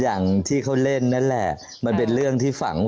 อย่างที่เขาเล่นนั่นแหละมันเป็นเรื่องที่ฝัง